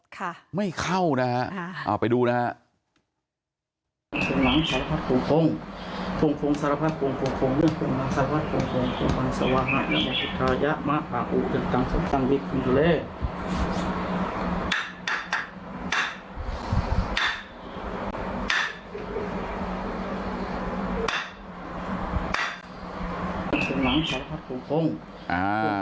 ค่ะไม่เข้านะฮะเอาไปดูนะฮะ